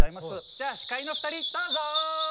じゃあ司会の２人どうぞ！